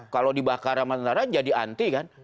kalau dibakar sama tentara jadi anti kan